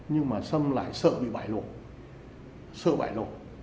nhưng mà xâm lại sợ bị bại lộ sợ bại lộ